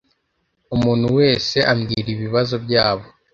Umuntu wese ambwira ibibazo byabo